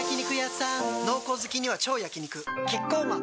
濃厚好きには超焼肉キッコーマン